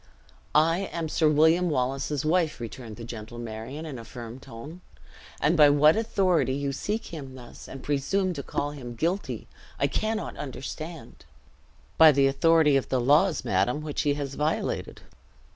"I am Sir William Wallace's wife," returned the gentle Marion, in a firm tone; "and by what authority you seek him thus, and presume to call him guilty, I cannot understand." "By the authority of the laws, madam, which he has violated."